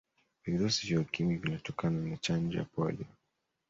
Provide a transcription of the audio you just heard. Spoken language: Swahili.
virusi vya ukimwi vinatokana na Chanjo ya polio